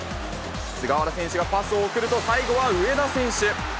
菅原選手がパスを送ると、最後は上田選手。